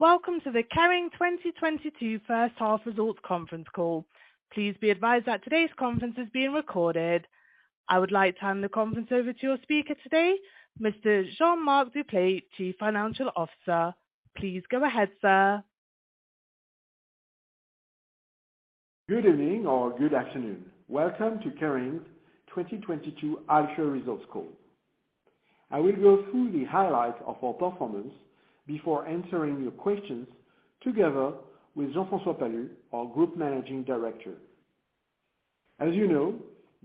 Welcome to the Kering 2022 first half results conference call. Please be advised that today's conference is being recorded. I would like to hand the conference over to your speaker today, Mr. Jean-Marc Duplaix, Chief Financial Officer. Please go ahead, Sir. Good evening or good afternoon. Welcome to Kering's 2022 half year results call. I will go through the highlights of our performance before answering your questions together with Jean-François Palus, our Group Managing Director. As you know,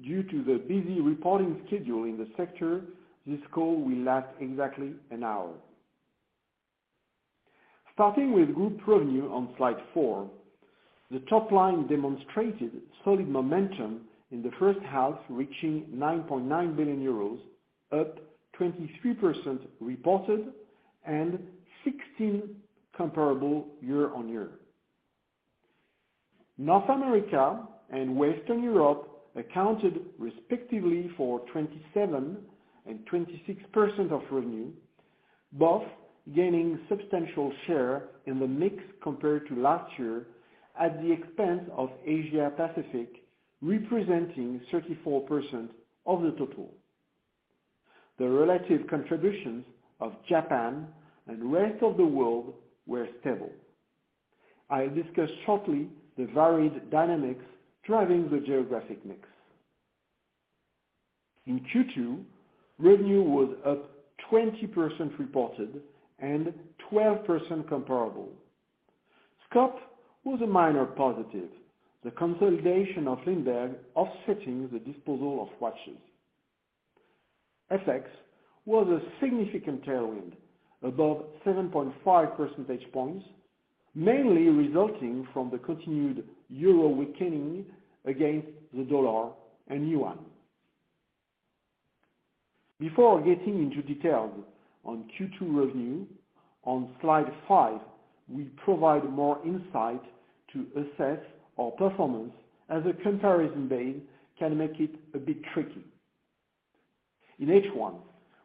due to the busy reporting schedule in the sector, this call will last exactly an hour. Starting with group revenue on slide four, the top line demonstrated solid momentum in the first half, reaching 9.9 billion euros, up 23% reported and 16% comparable year-on-year. North America and Western Europe accounted respectively for 27% and 26% of revenue, both gaining substantial share in the mix compared to last year at the expense of Asia Pacific, representing 34% of the total. The relative contributions of Japan and rest of the world were stable. I'll discuss shortly the varied dynamics driving the geographic mix. In Q2, revenue was up 20% reported and 12% comparable. Scope was a minor positive, the consolidation of Lindberg offsetting the disposal of watches. FX was a significant tailwind, above 7.5 percentage points, mainly resulting from the continued euro weakening against the dollar and yuan. Before getting into details on Q2 revenue, on slide five, we provide more insight to assess our performance as a comparison base can make it a bit tricky. In H1,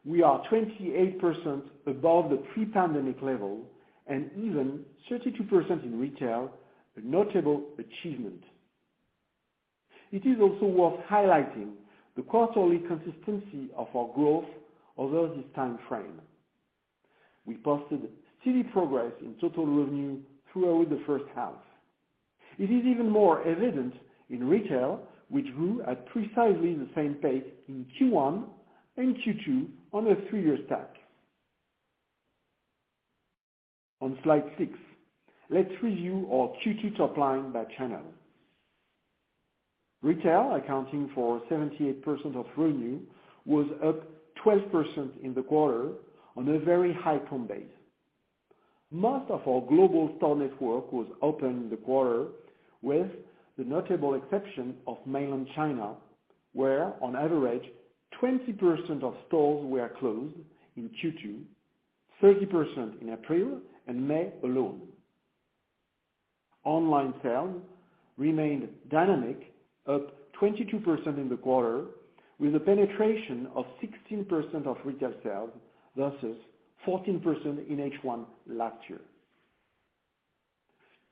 we are 28% above the pre-pandemic level and even 32% in retail, a notable achievement. It is also worth highlighting the quarterly consistency of our growth over this time frame. We posted steady progress in total revenue throughout the first half. It is even more evident in retail, which grew at precisely the same pace in Q1 and Q2 on a three-year stack. On slide six, let's review our Q2 top line by channel. Retail accounting for 78% of revenue was up 12% in the quarter on a very high comp base. Most of our global store network was open in the quarter, with the notable exception of mainland China, where on average, 20% of stores were closed in Q2, 30% in April and May alone. Online sales remained dynamic, up 22% in the quarter, with a penetration of 16% of retail sales versus 14% in H1 last year.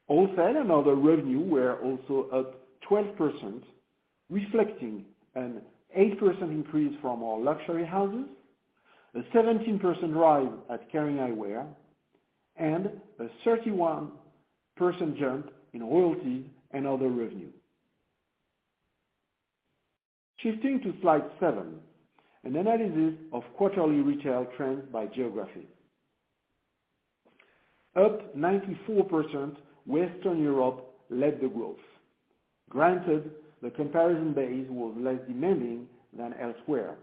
Wholesale and other revenue were also up 12%, reflecting an 8% increase from our luxury houses, a 17% rise at Kering Eyewear, and a 31% jump in royalty and other revenue. Shifting to slide seven, an analysis of quarterly retail trends by geography. Up 94%, Western Europe led the growth. Granted, the comparison base was less demanding than elsewhere,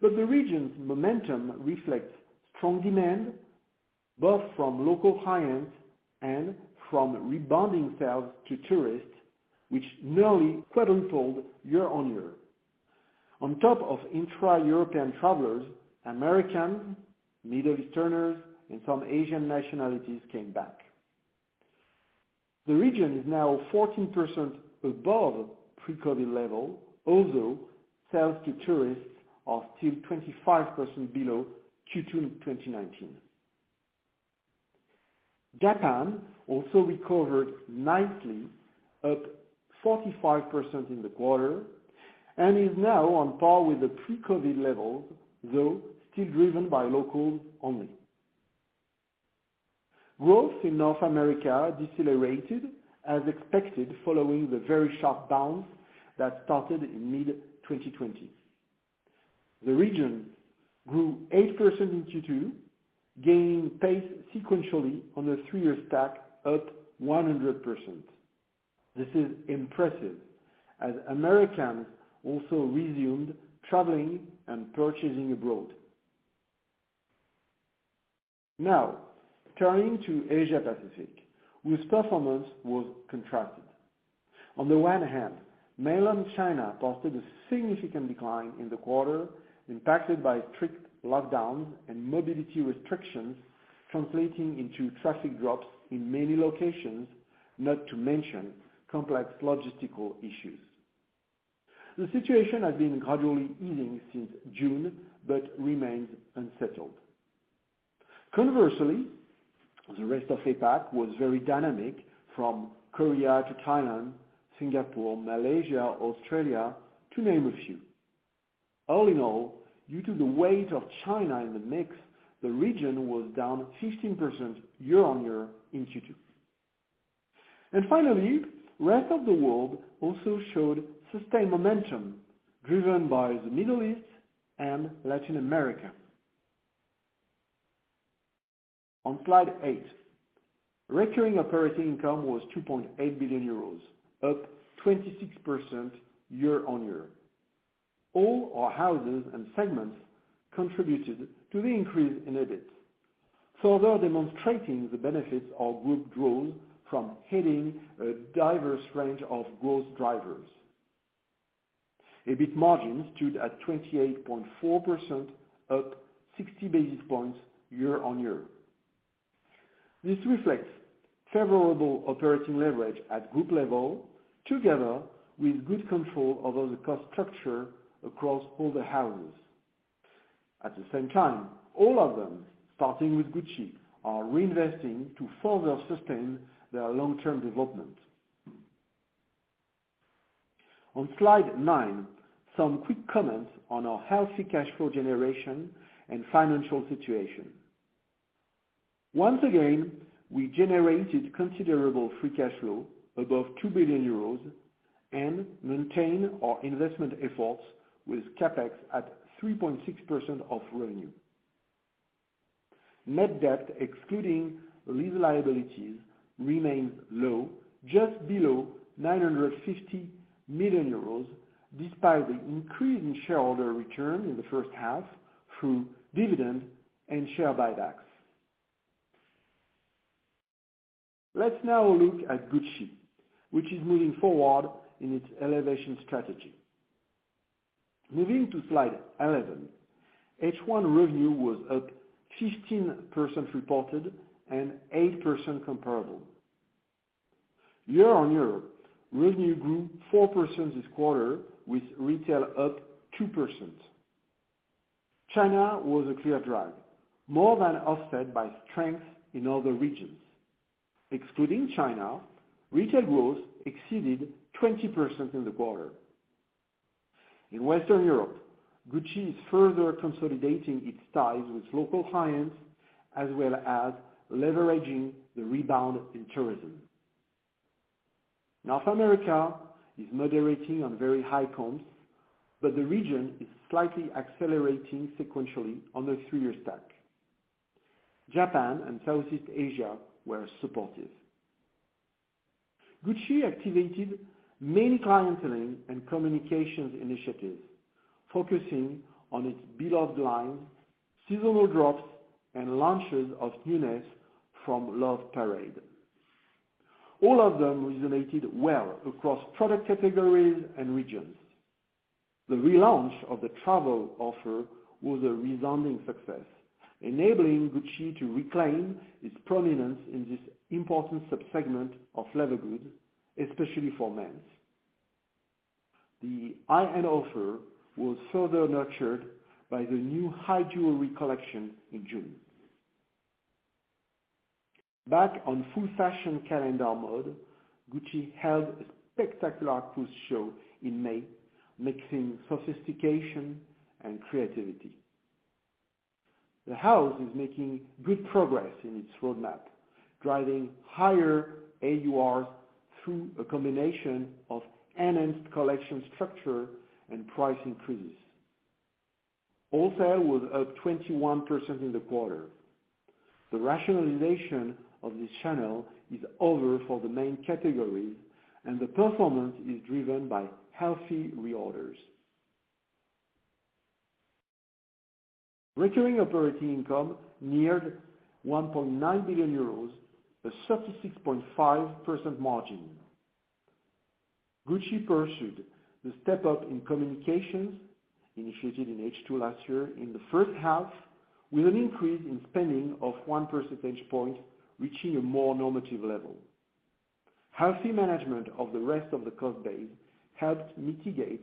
but the region's momentum reflects strong demand both from local clients and from rebounding sales to tourists, which nearly quadrupled year on year. On top of intra-European travelers, Americans, Middle Easterners, and some Asian nationalities came back. The region is now 14% above pre-COVID level, although sales to tourists are still 25% below Q2 in 2019. Japan also recovered nicely, up 45% in the quarter, and is now on par with the pre-COVID levels, though still driven by locals only. Growth in North America decelerated as expected following the very sharp bounce that started in mid-2020. The region grew 8% in Q2, gaining pace sequentially on a three-year stack up 100%. This is impressive as Americans also resumed traveling and purchasing abroad. Now, turning to Asia Pacific, whose performance was contracted. On the one hand, mainland China posted a significant decline in the quarter, impacted by strict lockdowns and mobility restrictions, translating into traffic drops in many locations, not to mention complex logistical issues. The situation has been gradually easing since June, but remains unsettled. Conversely, the rest of APAC was very dynamic, from Korea to Thailand, Singapore, Malaysia, Australia, to name a few. All in all, due to the weight of China in the mix, the region was down 15% year-on-year in Q2. Finally, rest of the world also showed sustained momentum, driven by the Middle East and Latin America. On slide eight, recurring operating income was 2.8 billion euros, up 26% year-on-year. All our houses and segments contributed to the increase in EBIT, further demonstrating the benefits of group growth from hitting a diverse range of growth drivers. EBIT margin stood at 28.4%, up 60 basis points year-over-year. This reflects favorable operating leverage at group level, together with good control over the cost structure across all the houses. At the same time, all of them, starting with Gucci, are reinvesting to further sustain their long-term development. On slide nine, some quick comments on our healthy cash flow generation and financial situation. Once again, we generated considerable free cash flow above 2 billion euros and maintained our investment efforts with CapEx at 3.6% of revenue. Net debt, excluding lease liabilities, remains low, just below 950 million euros, despite the increase in shareholder return in the first half through dividends and share buybacks. Let's now look at Gucci, which is moving forward in its elevation strategy. Moving to slide 11, H1 revenue was up 15% reported and 8% comparable. Year-on-year, revenue grew 4% this quarter, with retail up 2%. China was a clear drag, more than offset by strength in other regions. Excluding China, retail growth exceeded 20% in the quarter. In Western Europe, Gucci is further consolidating its ties with local clients, as well as leveraging the rebound in tourism. North America is moderating on very high comps, but the region is slightly accelerating sequentially on a three-year stack. Japan and Southeast Asia were supportive. Gucci activated many clienteling and communications initiatives, focusing on its beloved lines, seasonal drops, and launches of newness from Love Parade. All of them resonated well across product categories and regions. The relaunch of the travel offer was a resounding success, enabling Gucci to reclaim its prominence in this important subsegment of leather goods, especially for men's. The high-end offer was further nurtured by the new high jewelry collection in June. Back on full fashion calendar mode, Gucci held a spectacular cruise show in May, mixing sophistication and creativity. The house is making good progress in its roadmap, driving higher AUR through a combination of enhanced collection structure and price increases. Wholesale was up 21% in the quarter. The rationalization of this channel is over for the main categories, and the performance is driven by healthy reorders. Recurring operating income neared 1.9 billion euros, a 36.5% margin. Gucci pursued the step-up in communications initiated in H2 last year in the first half with an increase in spending of one percentage point, reaching a more normative level. Healthy management of the rest of the cost base helped mitigate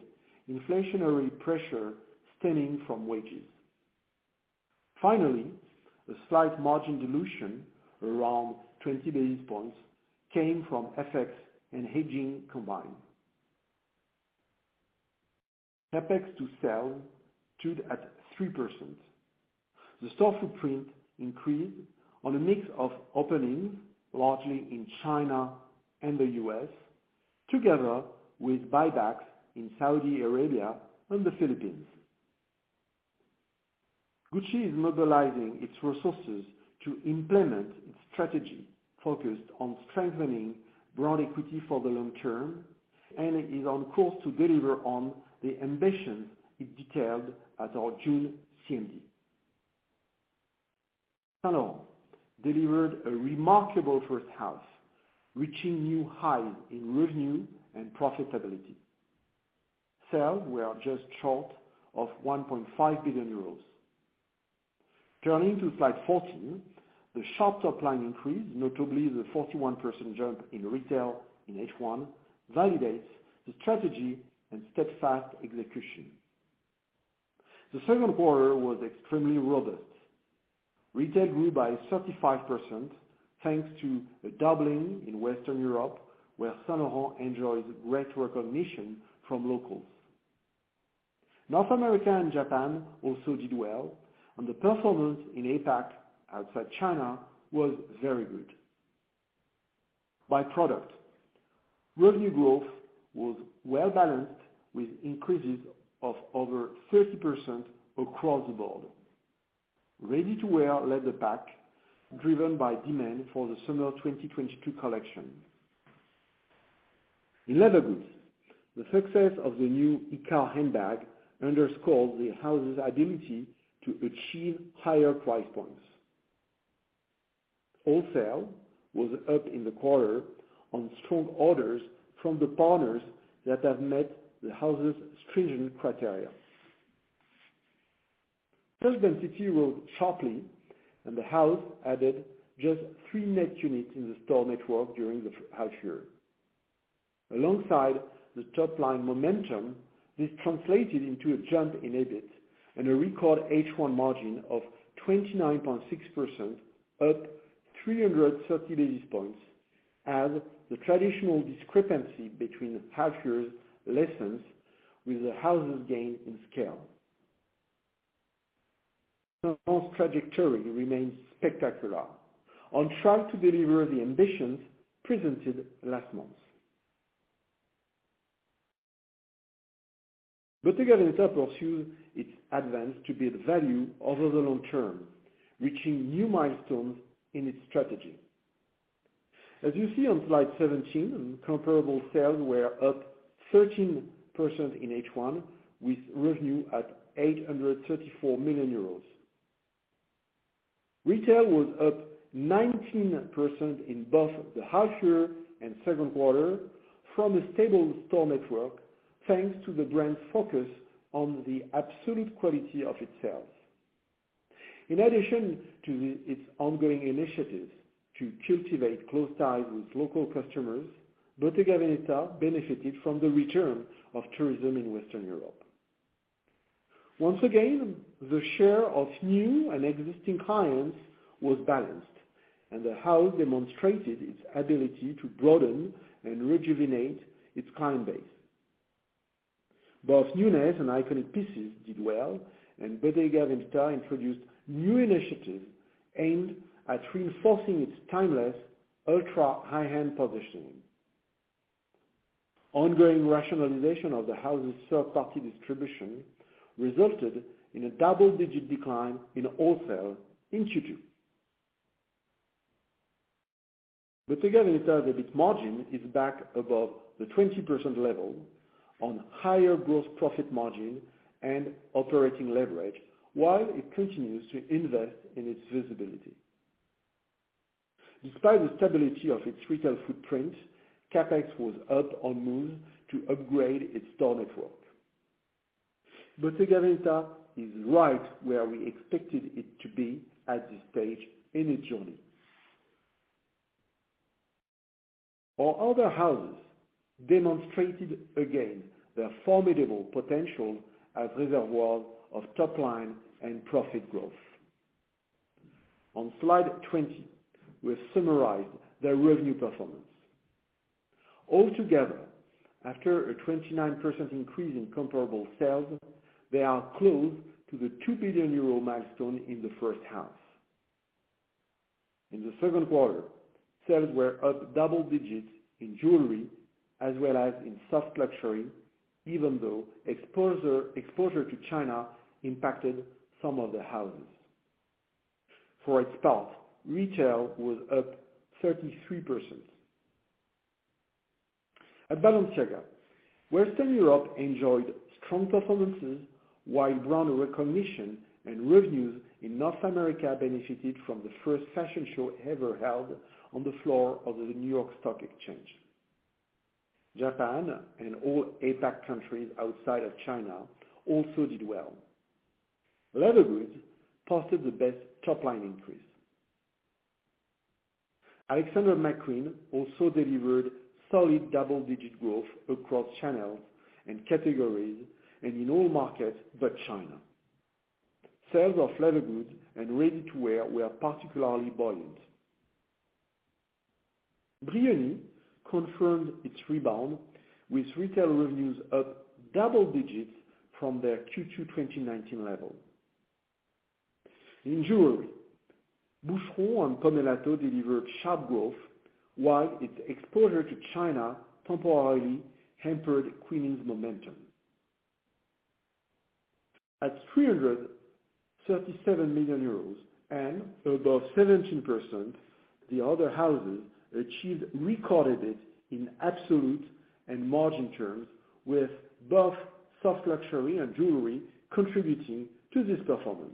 inflationary pressure stemming from wages. Finally, a slight margin dilution, around 20 basis points, came from FX and hedging combined. CapEx to sale stood at 3%. The store footprint increased on a mix of openings, largely in China and the U.S., together with buybacks in Saudi Arabia and the Philippines. Gucci is mobilizing its resources to implement its strategy focused on strengthening brand equity for the long term, and it is on course to deliver on the ambition it detailed at our June CMD. Saint Laurent delivered a remarkable first half, reaching new highs in revenue and profitability. Sales were just short of 1.5 billion euros. Turning to slide 14, the sharp top line increase, notably the 41% jump in retail in H1, validates the strategy and steadfast execution. The second quarter was extremely robust. Retail grew by 35% thanks to a doubling in Western Europe, where Saint Laurent enjoys great recognition from locals. North America and Japan also did well, and the performance in APAC outside China was very good. By product, revenue growth was well-balanced with increases of over 30% across the board. Ready-to-wear led the pack, driven by demand for the summer 2022 collection. In leather goods, the success of the new Icare handbag underscores the house's ability to achieve higher price points. Wholesale was up in the quarter on strong orders from the partners that have met the house's stringent criteria. DTC rose sharply, and the house added just three net units in the store network during the half year. Alongside the top line momentum, this translated into a jump in EBIT and a record H1 margin of 29.6%, up 330 basis points as the traditional discrepancy between half years lessens with the house's gain in scale. Saint Laurent's trajectory remains spectacular. On track to deliver the ambitions presented last month. Bottega Veneta pursues its advance to build value over the long term, reaching new milestones in its strategy. As you see on slide 17, comparable sales were up 13% in H1, with revenue at 834 million euros. Retail was up 19% in both the half year and second quarter from a stable store network, thanks to the brand's focus on the absolute quality of its sales. In addition to its ongoing initiatives to cultivate close ties with local customers, Bottega Veneta benefited from the return of tourism in Western Europe. Once again, the share of new and existing clients was balanced, and the house demonstrated its ability to broaden and rejuvenate its client base. Both newness and iconic pieces did well, and Bottega Veneta introduced new initiatives aimed at reinforcing its timeless, ultra-high-end positioning. Ongoing rationalization of the house's third-party distribution resulted in a double-digit decline in wholesale in Q2. Bottega Veneta's EBIT margin is back above the 20% level on higher gross profit margin and operating leverage, while it continues to invest in its visibility. Despite the stability of its retail footprint, CapEx was up on moves to upgrade its store network. Bottega Veneta is right where we expected it to be at this stage in its journey. Our other houses demonstrated again their formidable potential as reservoirs of top line and profit growth. On slide 20, we have summarized their revenue performance. All together, after a 29% increase in comparable sales, they are close to the 2 billion euro milestone in the first half. In the second quarter, sales were up double digits in jewelry as well as in soft luxury, even though exposure to China impacted some of the houses. For its part, retail was up 33%. At Balenciaga, Western Europe enjoyed strong performances while brand recognition and revenues in North America benefited from the first fashion show ever held on the floor of the New York Stock Exchange. Japan and all APAC countries outside of China also did well. Leather goods posted the best top-line increase. Alexander McQueen also delivered solid double-digit growth across channels and categories, and in all markets but China. Sales of leather goods and ready-to-wear were particularly buoyant. Brioni confirmed its rebound, with retail revenues up double digits from their Q2 2019 level. In jewelry, Boucheron and Pomellato delivered sharp growth, while its exposure to China temporarily hampered Qeelin's momentum. At 337 million euros and above 17%, the other houses achieved record EBIT in absolute and margin terms, with both soft luxury and jewelry contributing to this performance.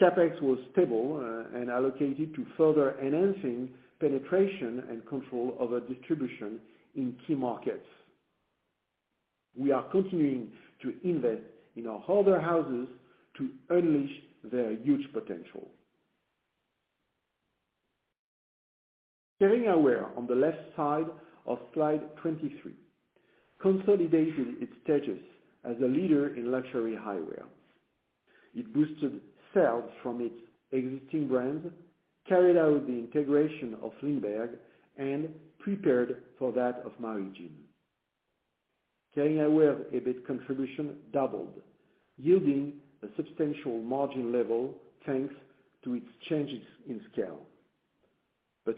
CapEx was stable and allocated to further enhancing penetration and control over distribution in key markets. We are continuing to invest in our other houses to unleash their huge potential. Kering Eyewear on the left side of slide 23 consolidated its status as a leader in luxury eyewear. It boosted sales from its existing brands, carried out the integration of Lindberg, and prepared for that of Maui Jim. Kering Eyewear EBIT contribution doubled, yielding a substantial margin level thanks to its changes in scale.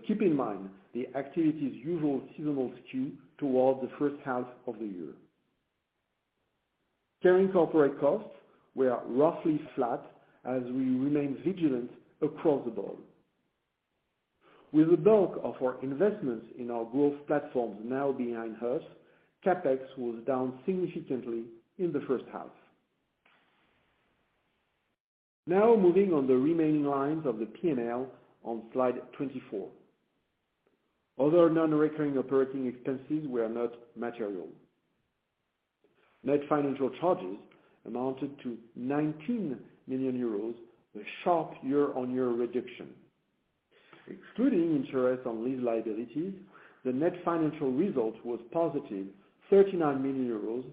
Keep in mind the activity's usual seasonal skew towards the first half of the year. Kering corporate costs were roughly flat as we remain vigilant across the board. With the bulk of our investments in our growth platforms now behind us, CapEx was down significantly in the first half. Now moving on the remaining lines of the P&L on slide 24. Other non-recurring operating expenses were not material. Net financial charges amounted to 19 million euros, a sharp year-on-year reduction. Excluding interest on lease liabilities, the net financial result was positive 39 million euros,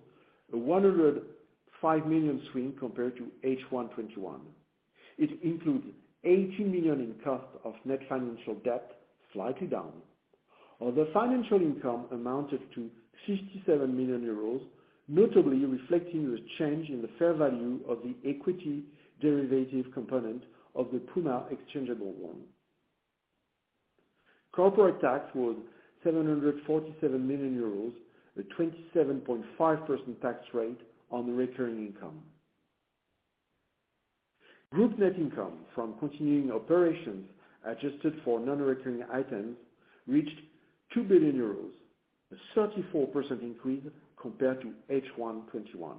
a 105 million swing compared to H1 2021. It includes 80 million in cost of net financial debt, slightly down. Other financial income amounted to 57 million euros, notably reflecting the change in the fair value of the equity derivative component of the Puma exchangeable bond. Corporate tax was 747 million euros, a 27.5% tax rate on recurring income. Group net income from continuing operations adjusted for non-recurring items reached 2 billion euros, a 34% increase compared to H1 2021.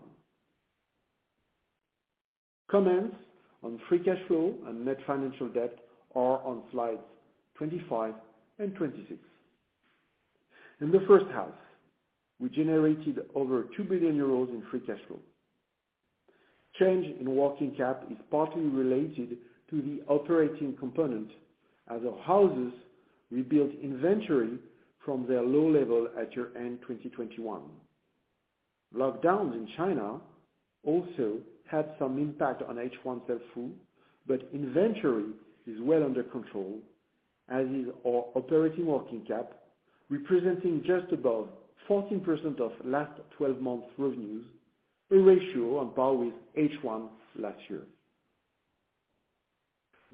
Comments on free cash flow and net financial debt are on slides 25 and 26. In the first half, we generated over 2 billion euros in free cash flow. Change in working cap is partly related to the operating component as our houses rebuild inventory from their low level at year-end 2021. Lockdowns in China also had some impact on H1 sell-through, but inventory is well under control, as is our operating working cap, representing just above 14% of last 12 months revenues, a ratio on par with H1 last year.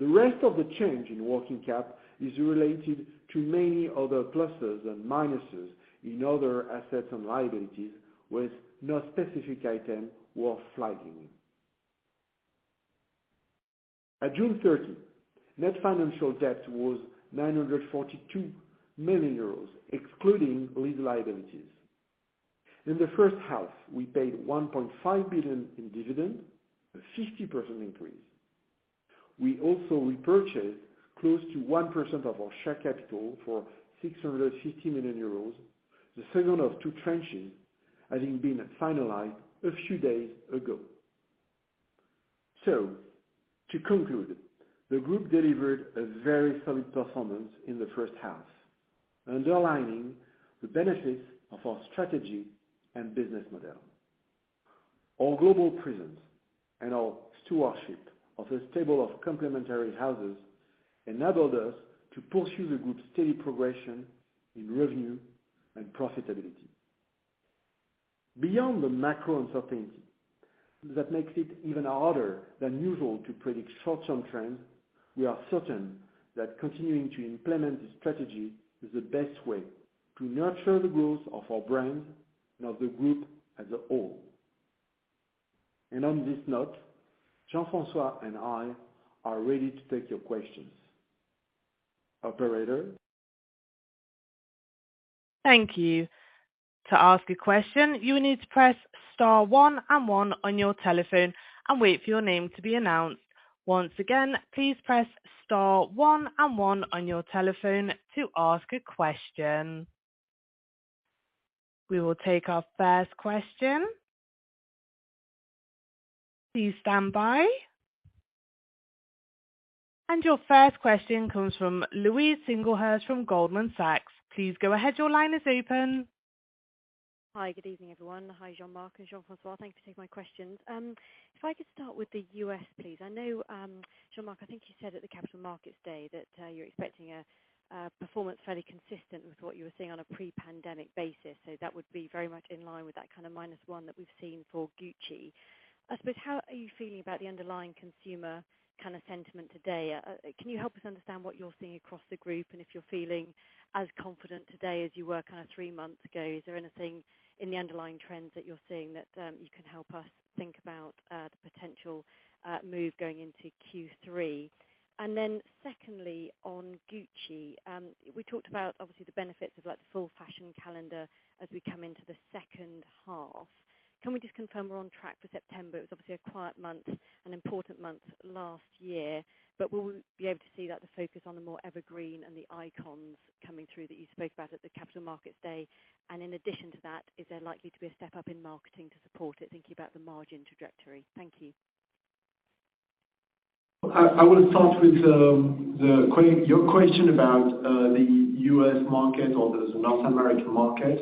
The rest of the change in working cap is related to many other pluses and minuses in other assets and liabilities, with no specific item worth flagging. At June 30, net financial debt was 942 million euros, excluding lease liabilities. In the first half, we paid 1.5 billion in dividend, a 50% increase. We also repurchased close to 1% of our share capital for 650 million euros, the second of two tranches having been finalized a few days ago. To conclude, the group delivered a very solid performance in the first half, underlining the benefits of our strategy and business model. Our global presence and our stewardship of a stable of complementary houses enabled us to pursue the group's steady progression in revenue and profitability. Beyond the macro uncertainty that makes it even harder than usual to predict short-term trends, we are certain that continuing to implement this strategy is the best way to nurture the growth of our brands and of the group as a whole. On this note, Jean-François and I are ready to take your questions. Operator? Thank you. To ask a question, you need to press star one and one on your telephone and wait for your name to be announced. Once again, please press star one and one on your telephone to ask a question. We will take our first question. Please stand by. Your first question comes from Louise Singlehurst from Goldman Sachs. Please go ahead. Your line is open. Hi, good evening, everyone. Hi, Jean-Marc and Jean-François. Thank you for taking my questions. If I could start with the U.S., please. I know, Jean-Marc, I think you said at the Capital Markets Day that you're expecting a performance fairly consistent with what you were seeing on a pre-pandemic basis. That would be very much in line with that kind of -1% that we've seen for Gucci. I suppose, how are you feeling about the underlying consumer kind of sentiment today? Can you help us understand what you're seeing across the group and if you're feeling as confident today as you were kind of three months ago? Is there anything in the underlying trends that you're seeing that you can help us think about the potential move going into Q3? Secondly, on Gucci, we talked about obviously the benefits of like the full fashion calendar as we come into the second half. Can we just confirm we're on track for September? It was obviously a quiet month, an important month last year, but will we be able to see that the focus on the more evergreen and the icons coming through that you spoke about at the Capital Markets Day? In addition to that, is there likely to be a step up in marketing to support it, thinking about the margin trajectory? Thank you. I will start with your question about the U.S. market or the North American market.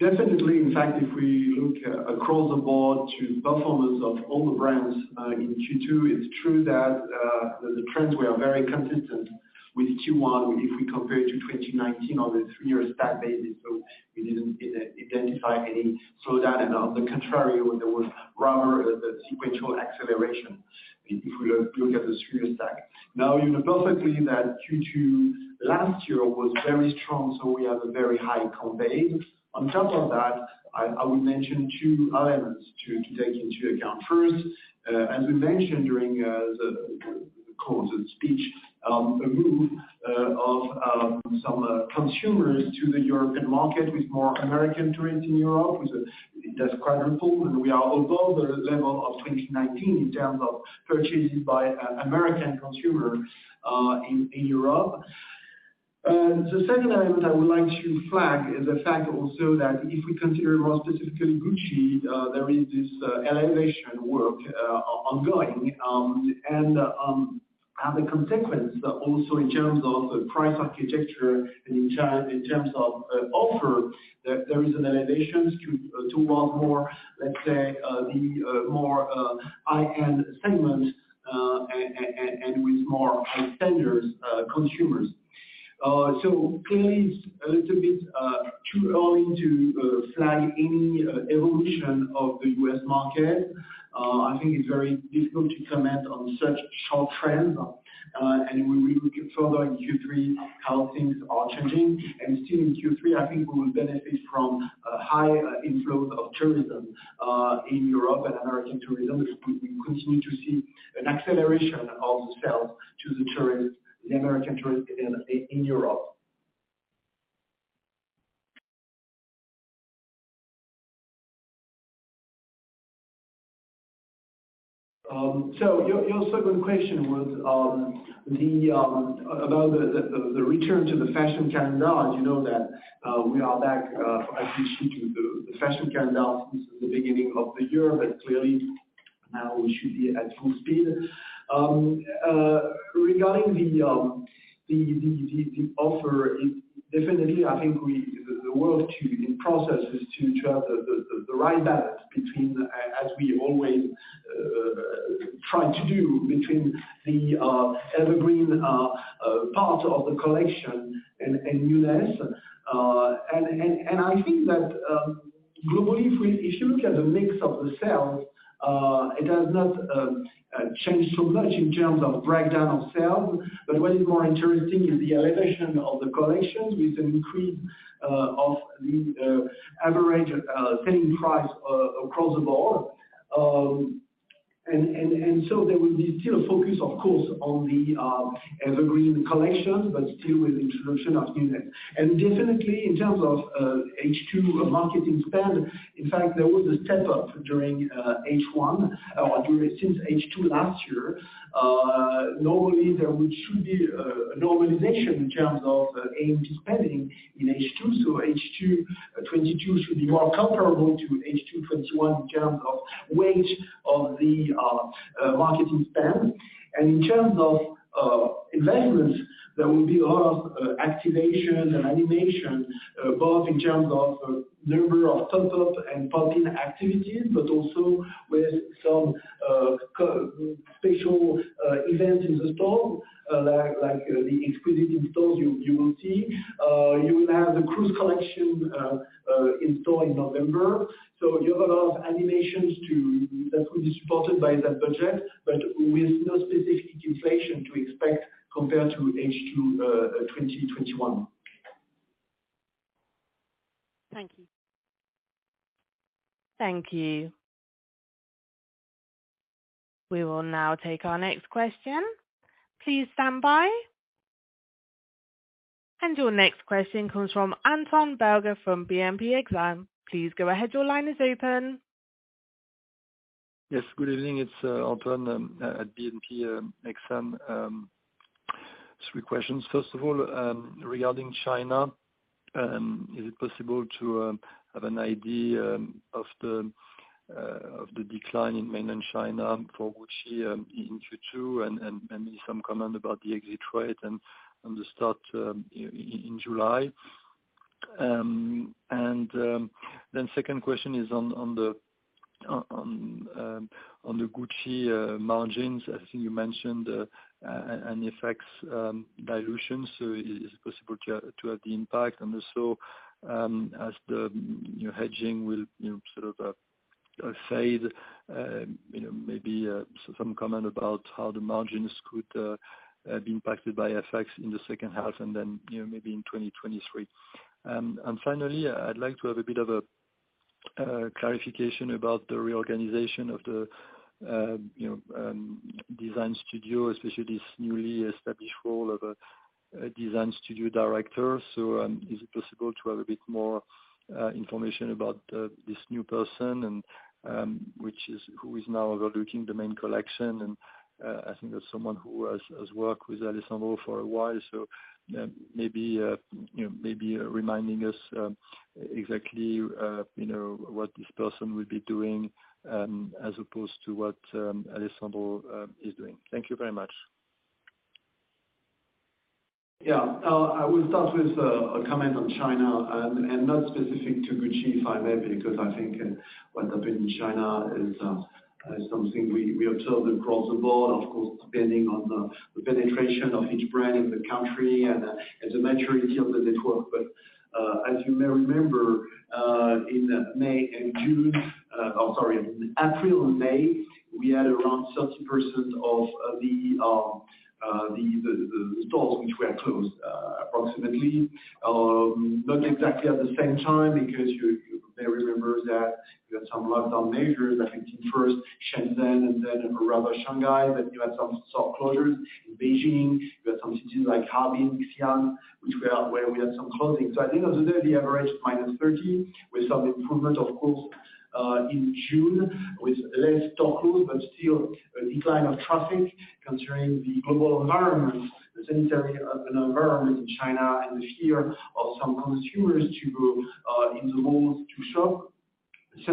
Definitely. In fact, if we look across the board to the performance of all the brands in Q2, it's true that the trends were very consistent with Q1 if we compare to 2019 on the three-year stack basis. We didn't, you know, identify any slowdown. On the contrary, there was rather a sequential acceleration if we look at the three-year stack. Now, you know perfectly that Q2 last year was very strong, so we have a very high comp. On top of that, I would mention two elements to take into account. First, as we mentioned during the call, the speech, a move of some consumers to the European market with more American tourists in Europe, which has quadrupled, and we are above the level of 2019 in terms of purchases by American consumers in Europe. The second item I would like to flag is the fact also that if we consider more specifically Gucci, there is this elevation work ongoing. As a consequence also in terms of the price architecture and in terms of offer, that there is an elevation to want more, let's say, the more high-end segment, and with more high spenders consumers. Clearly it's a little bit too early to flag any evolution of the U.S. market. I think it's very difficult to comment on such short trends. We look further in Q3 how things are changing. Still in Q3, I think we will benefit from a high inflow of tourism in Europe and American tourism, as we continue to see an acceleration of sales to the tourists, the American tourists in Europe. Your second question was about the return to the fashion calendar. You know that we are back, I think, to the fashion calendar since the beginning of the year, but clearly now we should be at full speed. Regarding the offer, it definitely, I think the work in process is to chart the right balance as we always try to do between the evergreen part of the collection and newness. I think that globally, if you look at the mix of the sales, it has not changed so much in terms of breakdown of sales. What is more interesting is the elevation of the collection with an increase of the average selling price across the board. There will be still a focus, of course, on the evergreen collection, but still with introduction of newness. Definitely in terms of H2 marketing spend, in fact, there was a step up during H1 since H2 last year. Normally there should be a normalization in terms of A&P spending in H2. H2 2022 should be more comparable to H2 2021 in terms of weight of the marketing spend. In terms of events, there will be a lot of activation and animation both in terms of number of pop-up and pop-in activities but also with some special events in the store, like the exquisite in stores you will see. You will have the cruise collection in store in November. You have a lot of animations too that will be supported by that budget, but with no specific inflation to expect compared to H2 2021. Thank you. Thank you. We will now take our next question. Please stand by. Your next question comes from Antoine Belge from BNP Paribas Exane. Please go ahead. Your line is open. Yes, good evening. It's Antoine Belge at BNP Exane. Three questions. First of all, regarding China, is it possible to have an idea of the decline in mainland China for Gucci in Q2 and maybe some comment about the exit rate and on the start in July? Then second question is on the Gucci margins. I think you mentioned an FX dilution, so is it possible to have the impact? And also, as you know, hedging will, you know, sort of fade, you know, maybe so some comment about how the margins could be impacted by FX in the second half and then, you know, maybe in 2023. Finally, I'd like to have a bit of a clarification about the reorganization of the, you know, design studio, especially this newly established role of a design studio director. Is it possible to have a bit more information about this new person and who is now overlooking the main collection? I think that's someone who has worked with Alessandro for a while. Maybe you know, maybe reminding us exactly you know what this person will be doing as opposed to what Alessandro is doing. Thank you very much. Yeah. I will start with a comment on China, and not specific to Gucci, if I may, because I think what happened in China is something we observed across the board, of course, depending on the penetration of each brand in the country and the maturity of the network. As you may remember, in April and May, we had around 30% of the stores which were closed, approximately. Not exactly at the same time, because you may remember that we had some lockdown measures, I think first Shenzhen and then around Shanghai, but you had some soft closures in Beijing. You had some cities like Harbin, Xi'an, where we had some closing. I think that was the average -30%, with some improvement, of course, in June, with fewer stores closed, but still a decline of traffic considering the global environment, the sanitary environment in China and the fear of some consumers to go in the malls to shop. Of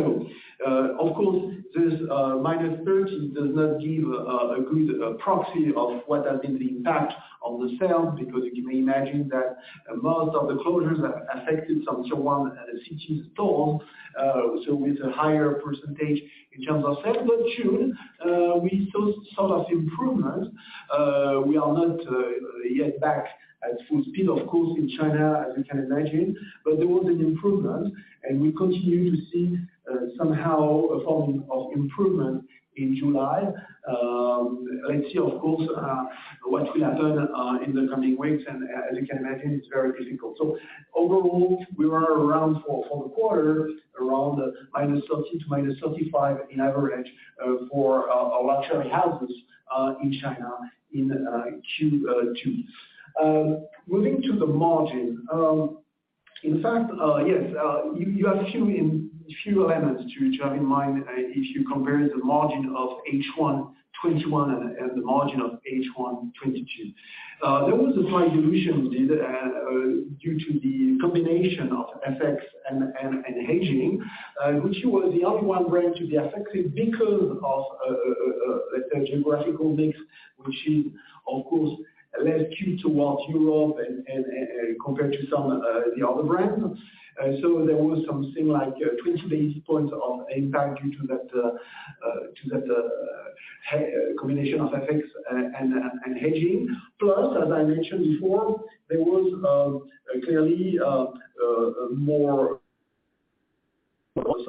course, this -30% does not give a good proxy of what has been the impact on the sales, because you can imagine that a lot of the closures have affected some cities stores, so with a higher percentage in terms of sales. June, we saw an improvement. We are not yet back at full speed, of course, in China, as you can imagine. But there was an improvement, and we continue to see somehow a form of improvement in July. Let's see, of course, what will happen in the coming weeks. As you can imagine, it's very difficult. Overall, we were around for the quarter around -30% to -35% on average for our luxury houses in China in Q2. Moving to the margin. In fact, yes, you have a few elements to have in mind if you compare the margin of H1 2021 and the margin of H1 2022. There was a slight dilution due to the combination of FX and hedging. Gucci was the only one brand to be affected because of, let's say, geographical mix, which is of course less skewed towards Europe and compared to some of the other brands. There was something like 20 basis points of impact due to that, the combination of FX and hedging. As I mentioned before, there was clearly also more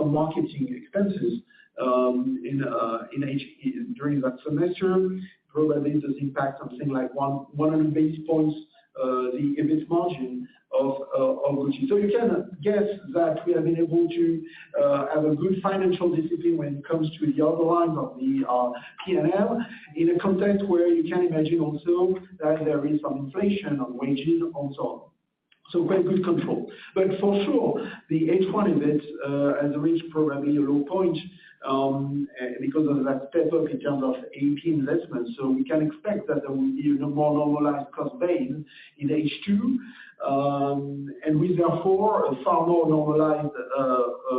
marketing expenses in H1 during that semester. Probably this has impact something like 100 basis points, the EBIT margin of Gucci. You can guess that we have been able to have a good financial discipline when it comes to the other line of the P&L in a context where you can imagine also that there is some inflation on wages also. Quite good control. For sure, the H1 event has reached probably a low point because of that payback in terms of A&P investments. We can expect that there will be even more normalized cost base in H2, and with therefore a far more normalized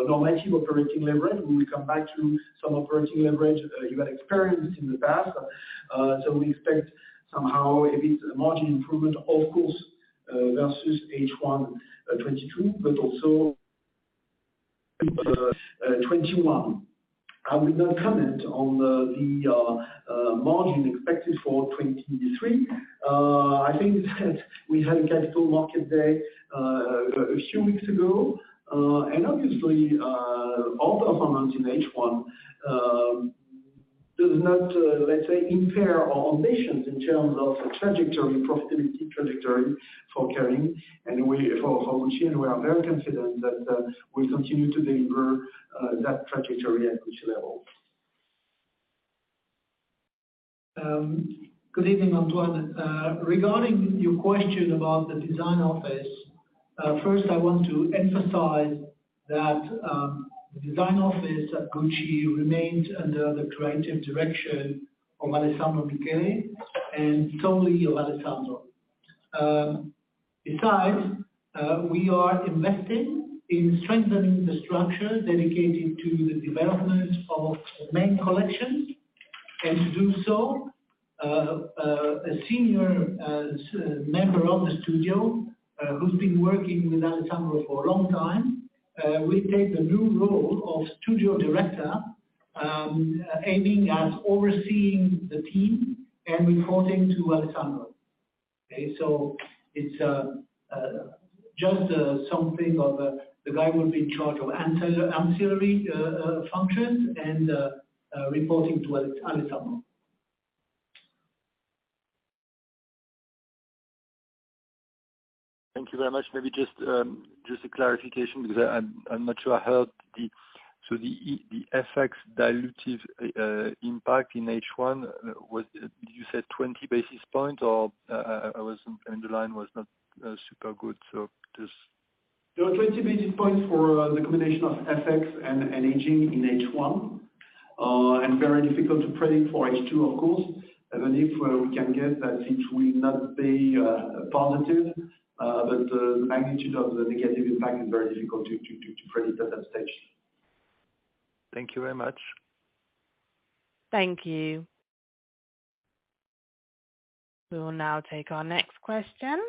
normal operating leverage. We will come back to some operating leverage you had experienced in the past. We expect somehow a bit margin improvement of course versus H1 2022, but also 2021. I will not comment on the margin expected for 2023. I think that we had a capital market day a few weeks ago. Obviously, our performance in H1 does not let's say impair our ambitions in terms of the trajectory, profitability trajectory for Kering and for Gucci. We are very confident that we'll continue to deliver that trajectory at Gucci level. Good evening, Antoine. Regarding your question about the design office, first I want to emphasize that the design office at Gucci remains under the creative direction of Alessandro Michele and totally Alessandro. Besides, we are investing in strengthening the structure dedicated to the development of main collections. To do so, a senior member of the studio, who's been working with Alessandro for a long time, will take the new role of studio director, aiming at overseeing the team and reporting to Alessandro. Okay. It's just something of the guy will be in charge of ancillary functions and reporting to Alessandro. Thank you very much. Maybe just a clarification because I'm not sure I heard the FX dilutive impact in H1. Did you say 20 basis point or I wasn't. The line was not super good, so just. No, 20 basis points for the combination of FX and aging in H1. Very difficult to predict for H2, of course. Even if we can get that it will not be positive, but the magnitude of the negative impact is very difficult to predict at that stage. Thank you very much. Thank you. We will now take our next question.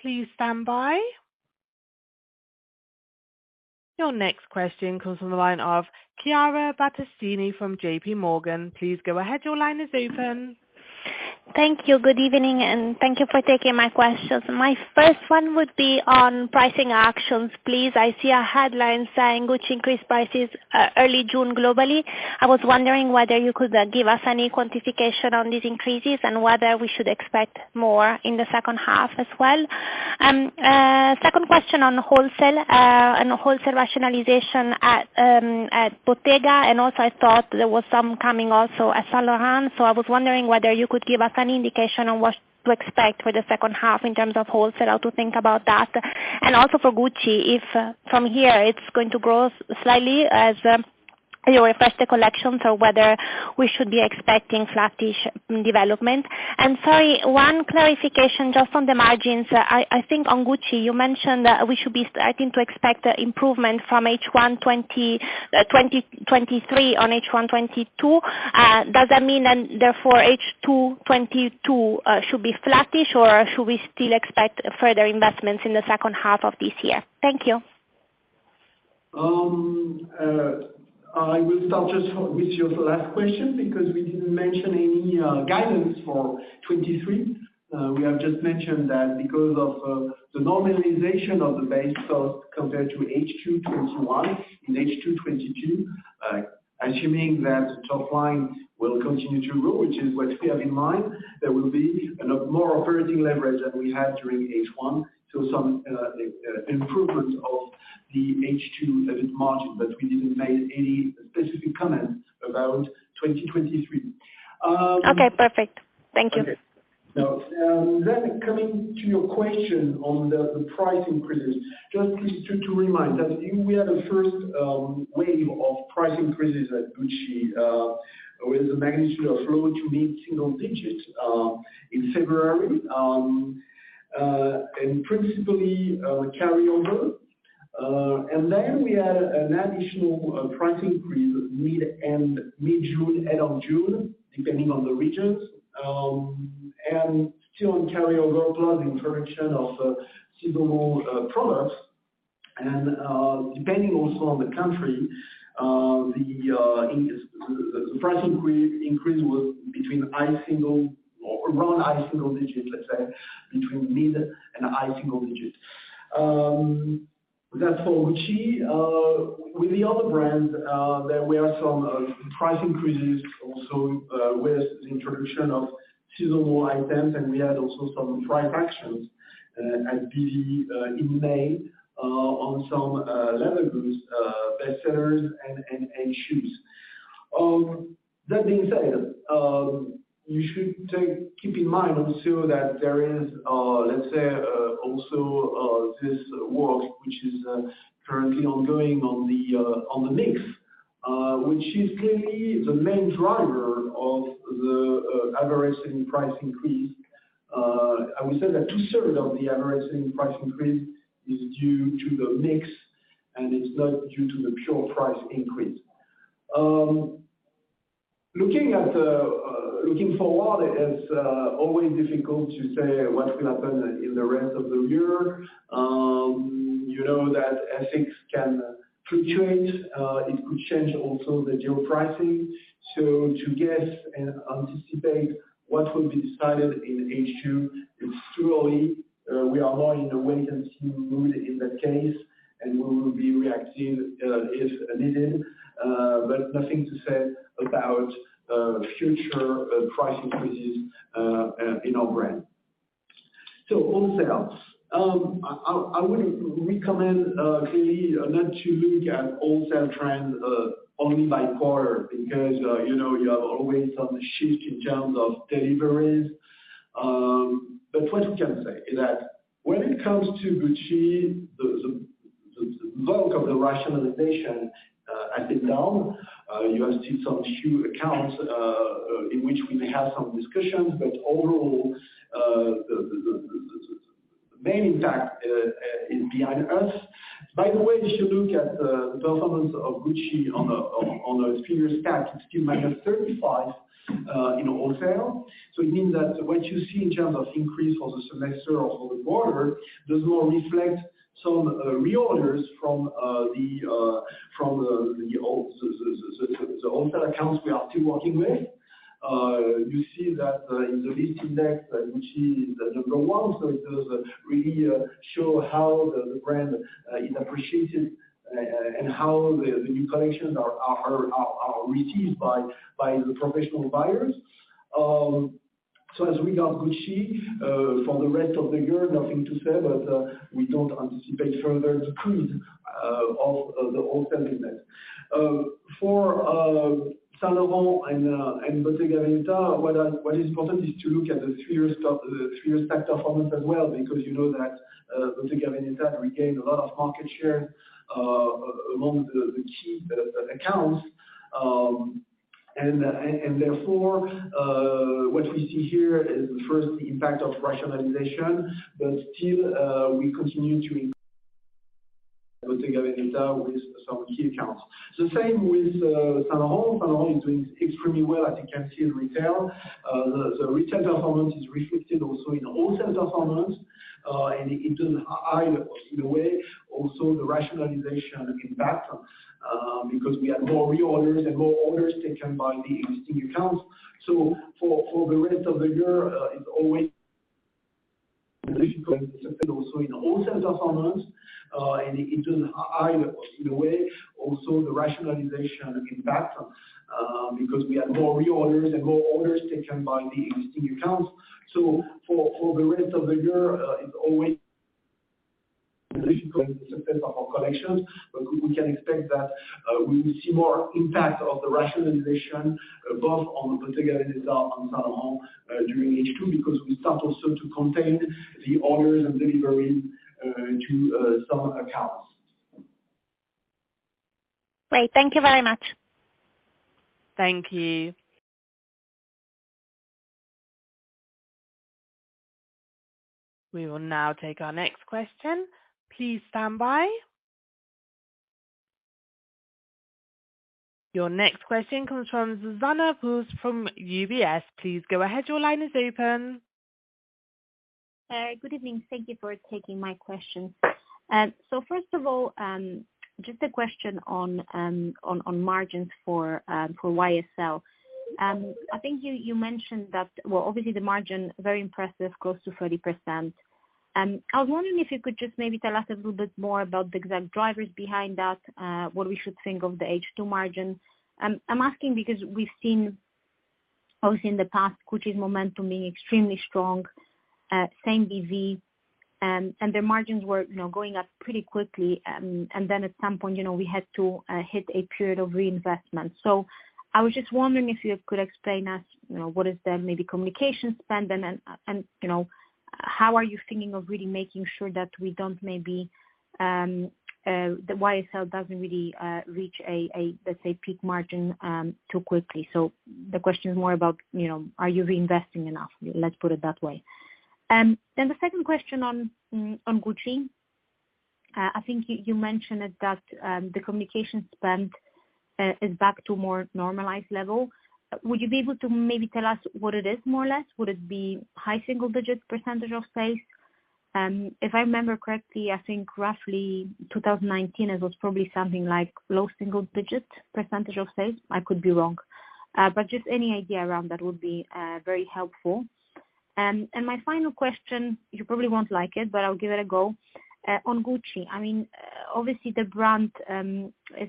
Please stand by. Your next question comes from the line of Chiara Battistini from J.P. Morgan. Please go ahead. Your line is open. Thank you. Good evening, and thank you for taking my questions. My first one would be on pricing actions, please. I see a headline saying Gucci increased prices early June globally. I was wondering whether you could give us any quantification on these increases and whether we should expect more in the second half as well. Second question on wholesale, on the wholesale rationalization at Bottega, and also I thought there was some coming also at Saint Laurent. I was wondering whether you could give us any indication on what to expect for the second half in terms of wholesale, how to think about that. Also for Gucci, if from here it's going to grow slightly as you refresh the collections or whether we should be expecting flattish development. Sorry, one clarification just on the margins. I think on Gucci, you mentioned we should be starting to expect improvement from H1 2023 on H1 2022. Does that mean then therefore H2 2022 should be flattish, or should we still expect further investments in the second half of this year? Thank you. I will start just with your last question because we didn't mention any guidance for 2023. We have just mentioned that because of the normalization of the base cost compared to H2 2021 in H2 2022, assuming that top line will continue to grow, which is what we have in mind, there will be a lot more operating leverage than we had during H1. Some improvement of the H2 EBIT margin, but we didn't make any specific comments about 2023. Okay, perfect. Thank you. Now, coming to your question on the price increases, just to remind that we had a first wave of price increases at Gucci with the magnitude of low- to mid-single-digit percent in February. Principally carryover. Then we had an additional price increase mid-June, end of June, depending on the regions. Still in carryover, plus introduction of seasonal products. Depending also on the country, the price increase was between high single or around high single digits, let's say, between mid and high single digits. That's for Gucci. With the other brands, there were some price increases also, with the introduction of seasonal items, and we had also some price actions at BV in May on some leather goods bestsellers and shoes. That being said, you should keep in mind also that there is, let's say, also this work which is currently ongoing on the mix, which is clearly the main driver of the average selling price increase. I would say that 2/3 of the average selling price increase is due to the mix, and it's not due to the pure price increase. Looking forward, it's always difficult to say what will happen in the rest of the year. You know that FX can fluctuate. It could change also the geo pricing. To guess and anticipate what will be decided in H2 is too early. We are more in the wait-and-see mood in that case, and we will be reacting if needed. Nothing to say about future price increases in our brand. Wholesales. I would recommend really not to look at wholesale trends only by quarter because you know you have always some shift in terms of deliveries. What we can say is that when it comes to Gucci, the bulk of the rationalization has been done. You have still some few accounts in which we may have some discussions, but overall, the main impact is behind us. By the way, if you look at the performance of Gucci on the speediest stats, it's still minus 35% in wholesale. It means that what you see in terms of increase for the semester or whole quarter does more reflect some reorders from the old wholesale accounts we are still working with. You see that in the Lyst Index that Gucci is the number one, so it does really show how the brand is appreciated and how the new collections are received by the professional buyers. As regards Gucci, for the rest of the year, nothing to say, but we don't anticipate further decrease of the wholesale business. For Saint Laurent and Bottega Veneta, what is important is to look at the three years stack performance as well, because you know that Bottega Veneta regained a lot of market share among the key accounts. Therefore, what we see here is first the impact of rationalization. Still, we continue to Bottega Veneta with some key accounts. The same with Saint Laurent. Saint Laurent is doing extremely well, as you can see, in retail. The retail performance is reflected also in the wholesale performance. It doesn't hide, in a way, also the rationalization impact, because we have more reorders and more orders taken by the existing accounts. For the rest of the year, it's always also in the wholesale performance. It doesn't hide, in a way, also the rationalization impact, because we have more reorders and more orders taken by the existing accounts. For the rest of the year, it's always of our collections, but we can expect that we will see more impact of the rationalization both on Bottega Veneta and Saint Laurent during H2, because we start also to contain the orders and delivery to some accounts. Great. Thank you very much. Thank you. We will now take our next question. Please stand by. Your next question comes from Zuzanna Pusz from UBS. Please go ahead. Your line is open. Good evening. Thank you for taking my question. First of all, just a question on margins for YSL. I think you mentioned that. Well, obviously the margin, very impressive, close to 30%. I was wondering if you could just maybe tell us a little bit more about the exact drivers behind that, what we should think of the H2 margins. I'm asking because we've seen also in the past Gucci's momentum being extremely strong, same BV, and their margins were, you know, going up pretty quickly. Then at some point, you know, we had to hit a period of reinvestment. I was just wondering if you could explain to us, you know, what is the maybe communication spend and then, you know, how are you thinking of really making sure that we don't maybe that YSL doesn't really reach a, let's say, peak margin too quickly. The question is more about, you know, are you reinvesting enough? Let's put it that way. Then the second question on Gucci. I think you mentioned that the communication spend is back to a more normalized level. Would you be able to maybe tell us what it is more or less? Would it be high single-digit percentage of sales? If I remember correctly, I think roughly 2019 it was probably something like low single-digit percentage of sales. I could be wrong. Just any idea around that would be very helpful. My final question, you probably won't like it, but I'll give it a go. On Gucci, I mean, obviously the brand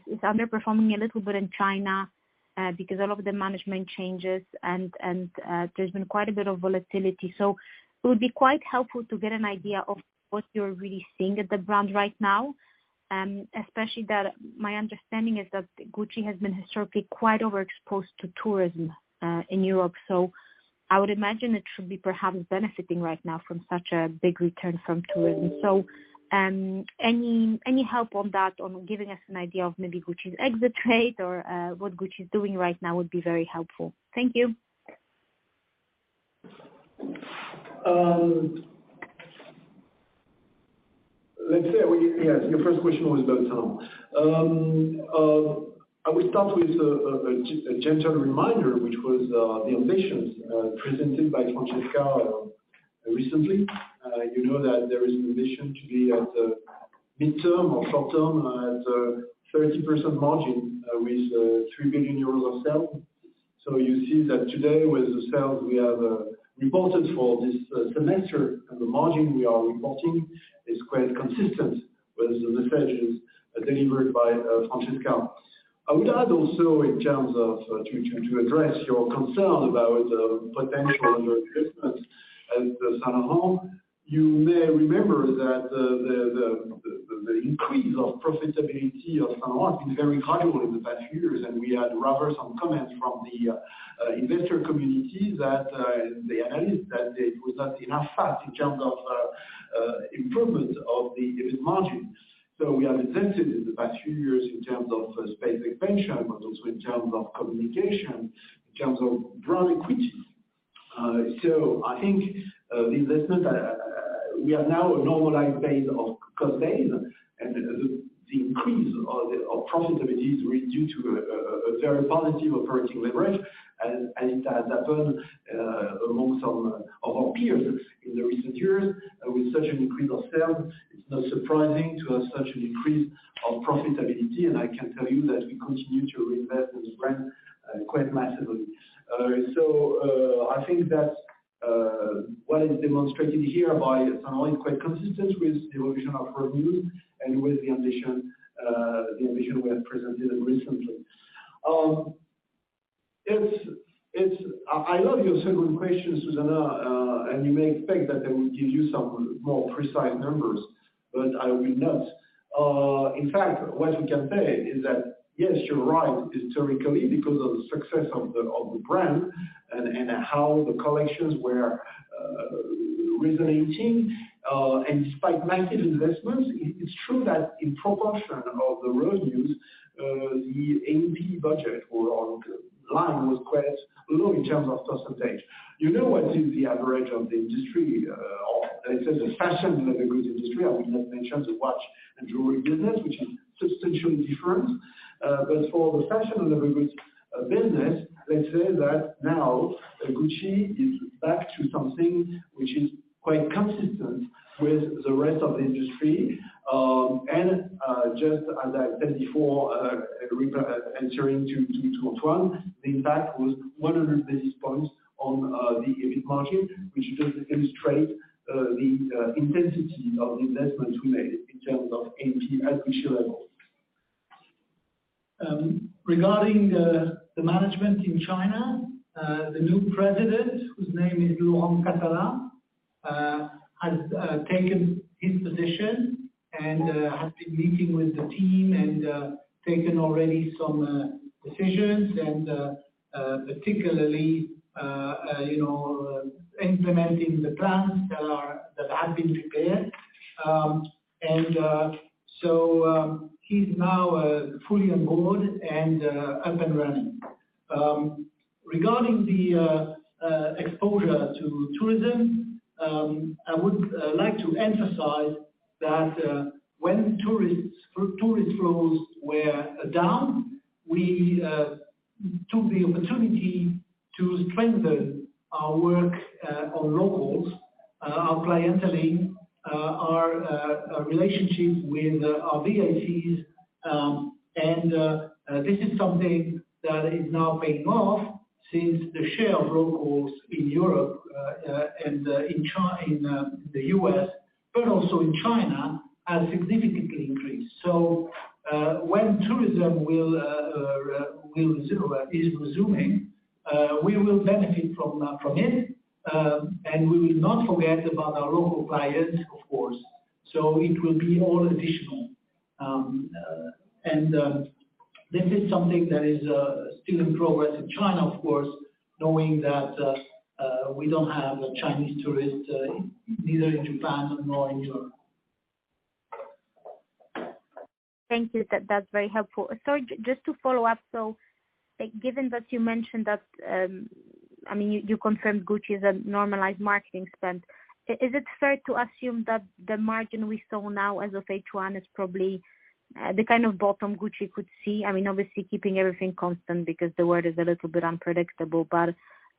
is underperforming a little bit in China because a lot of the management changes and there's been quite a bit of volatility. It would be quite helpful to get an idea of what you're really seeing at the brand right now, especially that my understanding is that Gucci has been historically quite overexposed to tourism in Europe. I would imagine it should be perhaps benefiting right now from such a big return from tourism. Any help on that, on giving us an idea of maybe Gucci's exit rate or what Gucci is doing right now would be very helpful. Thank you. Yes, your first question was about Saint Laurent. I will start with a gentle reminder, which was the ambitions presented by Francesca recently. You know that there is an ambition to be at the midterm or short term at 30% margin, with 3 billion euros of sales. You see that today with the sales we have reported for this semester, and the margin we are reporting is quite consistent with the messages delivered by Francesca. I would add also in terms of to address your concern about potential underinvestment at Saint Laurent. You may remember that the increase of profitability of Saint Laurent has been very high over the past years. We had rather some comments from the investor community that the analyst that it was not fast enough in terms of improvement of the EBIT margin. We have invested in the past few years in terms of space expansion, but also in terms of communication, in terms of brand equity. I think the investment we are now a normalized base of comparables, and the increase of profitability is really due to a very positive operating leverage. It has happened among some of our peers in the recent years. With such an increase of sales, it's not surprising to have such an increase of profitability, and I can tell you that we continue to reinvest in this brand quite massively. I think that what is demonstrated here by is quite consistent with the evolution of revenue and with the ambition we have presented recently. I love your second question, Zuzanna, and you may think that I will give you some more precise numbers, but I will not. In fact, what we can say is that, yes, you're right, historically, because of the success of the brand and how the collections were resonating and despite massive investments, it's true that in proportion of the revenues, the A&P budget or online was quite low in terms of percentage. You know, what is the average of the industry, let's say the fashion leather goods industry. I will not mention the watch and jewelry business, which is substantially different. For the fashion leather goods business, let's say that now Gucci is back to something which is quite consistent with the rest of the industry. Just as I said before, entering into 2021, the impact was 100 basis points on the EBIT margin, which just illustrates the intensity of the investments we made in terms of A&P at Gucci level. Regarding the management in China, the new president, whose name is Laurent Cathala, has taken his position and has been meeting with the team and taken already some decisions and particularly you know implementing the plans that had been prepared. He's now fully on board and up and running. Regarding the exposure to tourism, I would like to emphasize that when tourist flows were down, we took the opportunity to strengthen our work on locals, our clienteling, our relationships with our VICs. This is something that is now paying off since the share of locals in Europe and in the U.S., but also in China, has significantly increased. When tourism is resuming, we will benefit from it, and we will not forget about our local clients, of course. It will be all additional. This is something that is still in progress in China, of course, knowing that we don't have Chinese tourists neither in Japan nor in Europe. Thank you. That's very helpful. Sorry, just to follow up, so, like, given that you mentioned that, I mean, you confirmed Gucci is a normalized marketing spend, is it fair to assume that the margin we saw now as of H1 is probably the kind of bottom Gucci could see? I mean, obviously keeping everything constant because the world is a little bit unpredictable.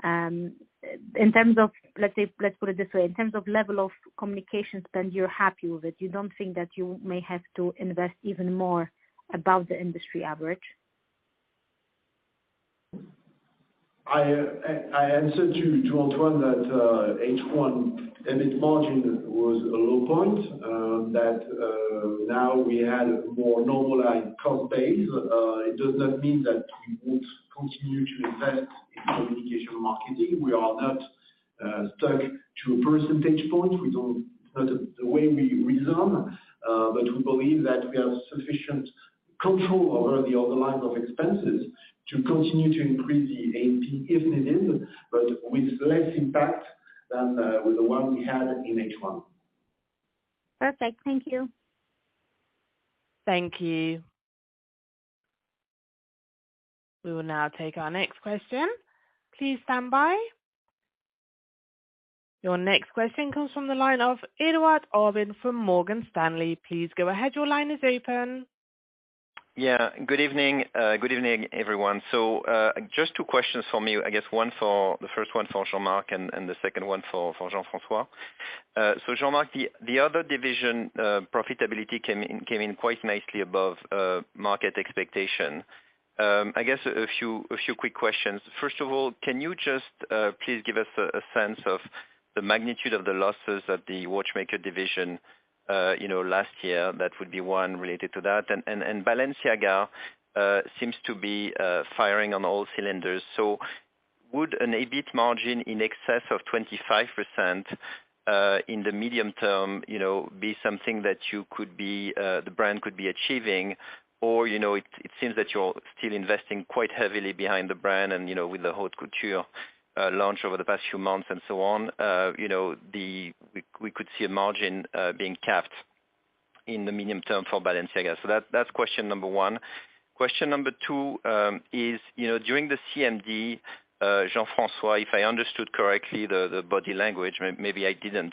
In terms of, let's say, let's put it this way, in terms of level of communication spend, you're happy with it. You don't think that you may have to invest even more above the industry average. I answered you, Antoine Belge, that H1 EBIT margin was a low point, that now we had a more normalized cost base. It does not mean that we won't continue to invest in communication marketing. We are not stuck to a percentage point. Not the way we reason, but we believe that we have sufficient control over the other line of expenses to continue to increase the EBIT if needed, but with less impact than with the one we had in H1. Perfect. Thank you. Thank you. We will now take our next question. Please stand by. Your next question comes from the line of Edouard Aubin from Morgan Stanley. Please go ahead. Your line is open. Yeah. Good evening. Good evening, everyone. Just two questions from you. I guess the first one for Jean-Marc and the second one for Jean-François. Jean-Marc, the other division profitability came in quite nicely above market expectation. I guess a few quick questions. First of all, can you just please give us a sense of the magnitude of the losses at the watchmaker division, you know, last year? That would be one related to that. Balenciaga seems to be firing on all cylinders. Would an EBIT margin in excess of 25% in the medium term, you know, be something that the brand could be achieving? It seems that you're still investing quite heavily behind the brand and with the whole couture launch over the past few months. We could see a margin being capped in the medium term for Balenciaga. That's question number one. Question number two is during the CMD, Jean-François, if I understood correctly, the body language, maybe I didn't,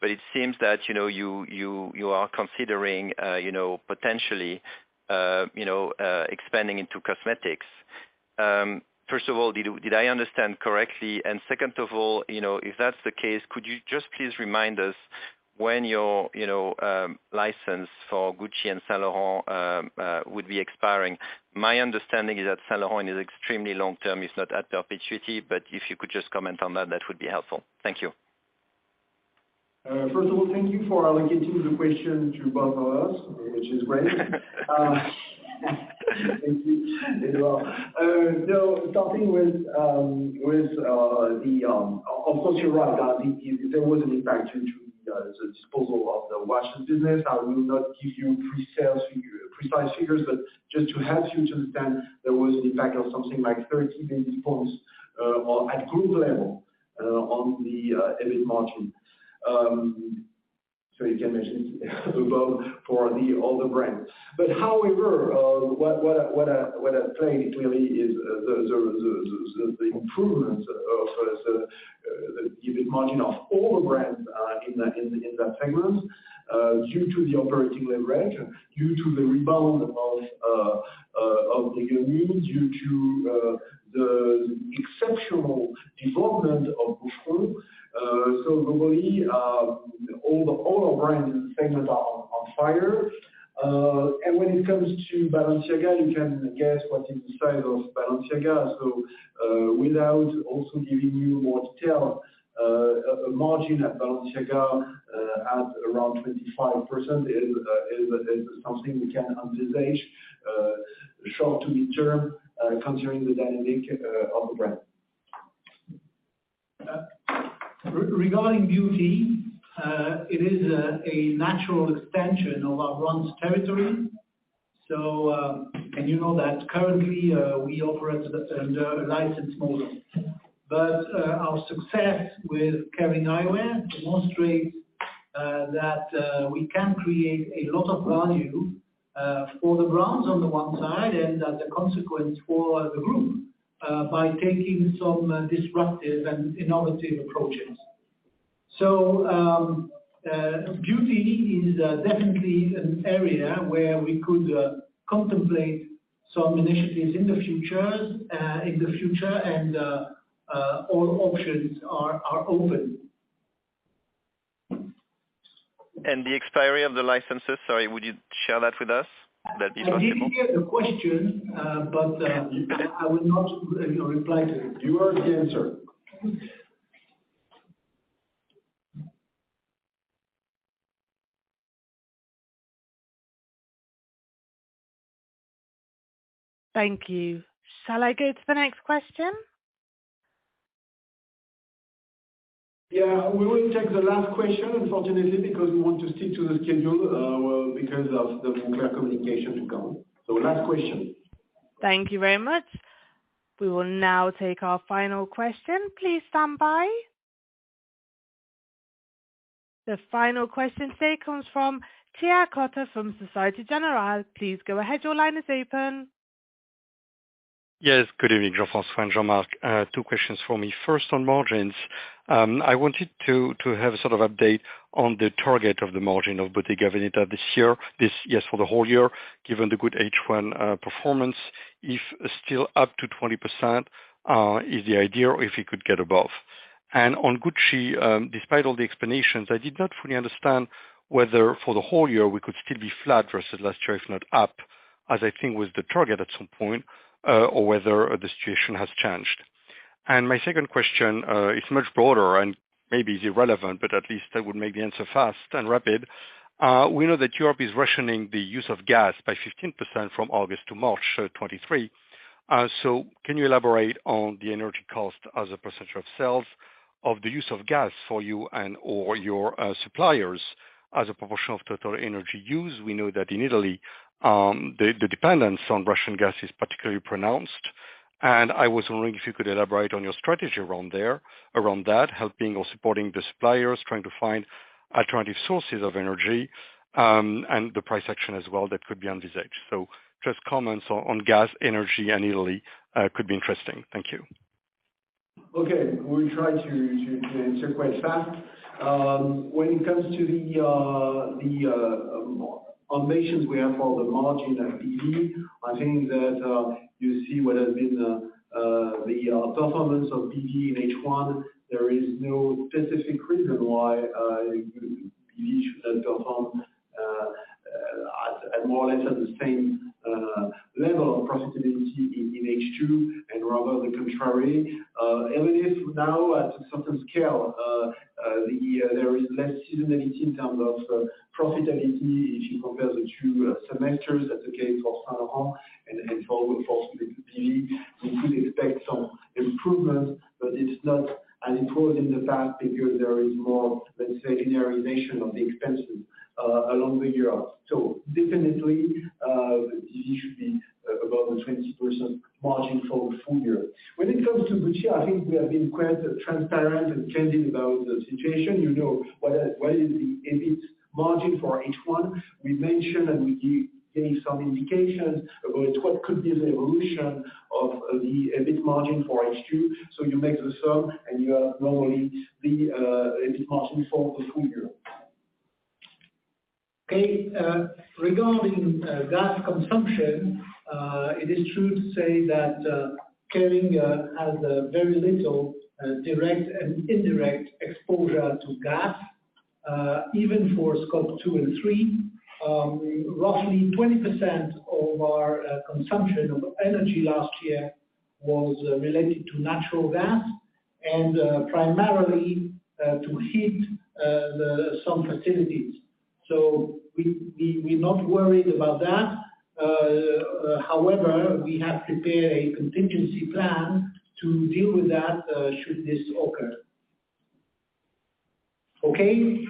but it seems that you are considering potentially expanding into cosmetics. First of all, did I understand correctly? Second of all, if that's the case, could you just please remind us when your license for Gucci and Saint Laurent would be expiring. My understanding is that Saint Laurent is extremely long-term. It's not in perpetuity, but if you could just comment on that would be helpful. Thank you. First of all, thank you for allocating the question to both of us, which is great. Thank you as well. No, starting with the. Of course, you're right. There was an impact due to the disposal of the watches business. I will not give you precise figures, but just to help you to understand, there was an impact of something like 13 basis points at group level on the EBIT margin. So you can imagine above for all the brands. However, what I'm saying clearly is the improvements of the EBIT margin of all the brands in that segment due to the operating leverage, due to the rebound of the Gucci, due to the exceptional development of Boucheron. Globally, all our brands segments are on fire. When it comes to Balenciaga, you can guess what is the size of Balenciaga. Without also giving you more detail, a margin at Balenciaga at around 25% is something we can envisage short to midterm considering the dynamic of the brand. Regarding beauty, it is a natural extension of our brand's territory. You know that currently we operate under a licensed model. Our success with Kering Eyewear demonstrates that we can create a lot of value for the brands on the one side, and as a consequence for the group by taking some disruptive and innovative approaches. Beauty is definitely an area where we could contemplate some initiatives in the future, and all options are open. The expiry of the licenses, sorry, would you share that with us? That'd be wonderful. I did hear the question, but I will not, you know, reply to it. You heard the answer. Thank you. Shall I go to the next question? Yeah, we will take the last question, unfortunately, because we want to stick to the schedule, because of the shareholder communication to come. Last question. Thank you very much. We will now take our final question. Please stand by. The final question today comes from [Claire Roblet] from Société Générale. Please go ahead. Your line is open. Yes. Good evening, Jean-François and Jean-Marc. Two questions for me. First on margins, I wanted to have a sort of update on the target of the margin of Bottega Veneta this year, yes, for the whole year, given the good H1 performance, if still up to 20%, is the idea or if it could get above. On Gucci, despite all the explanations, I did not fully understand whether for the whole year we could still be flat versus last year, if not up, as I think was the target at some point, or whether the situation has changed. My second question is much broader and maybe is irrelevant, but at least I would make the answer fast and rapid. We know that Europe is rationing the use of gas by 15% from August to March 2023. Can you elaborate on the energy cost as a percentage of sales, of the use of gas for you and/or your suppliers as a proportion of total energy use? We know that in Italy, the dependence on Russian gas is particularly pronounced. I was wondering if you could elaborate on your strategy around there, around that, helping or supporting the suppliers, trying to find alternative sources of energy, and the price action as well that could be on this edge. Just comments on gas, energy, and Italy could be interesting. Thank you. We'll try to answer quite fast. When it comes to the ambitions we have for the margin at BV, I think that you see what has been the performance of BV in H1. There is no specific reason why BV shouldn't perform at more or less at the same level of profitability in H2 and rather the contrary. Even if now at a certain scale, there is less seasonality in terms of profitability if you compare the two semesters. That's the case for Saint Laurent and also for BV. We could expect some improvement, but it's not as important in the fact because there is more, let's say, linearization of the expenses along the year. Definitely, BV should be above the 20% margin for full year. When it comes to Gucci, I think we have been quite transparent and candid about the situation. You know what is the EBIT margin for H1. We mentioned and we gave some indications about what could be the evolution of the EBIT margin for H2. You make the sum, and you have normally the EBIT margin for the full year. Okay. Regarding gas consumption, it is true to say that Kering has a very little direct and indirect exposure to gas, even for scope two and three. Roughly 20% of our consumption of energy last year was related to natural gas and primarily to heat some facilities. We're not worried about that. However, we have prepared a contingency plan to deal with that, should this occur. Okay.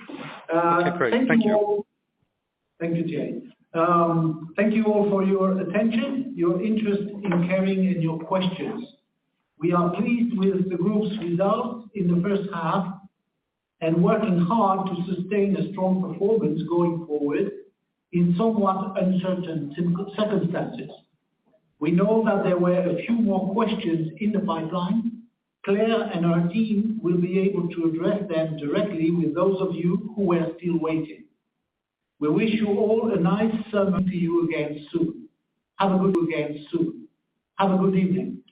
Okay, great. Thank you. Thank you all. Thank you, Jay. Thank you all for your attention, your interest in Kering and your questions. We are pleased with the group's results in the first half and working hard to sustain a strong performance going forward in somewhat uncertain circumstances. We know that there were a few more questions in the pipeline. Claire and our team will be able to address them directly with those of you who are still waiting. We wish you all a nice summer. See you again soon. Have a good evening.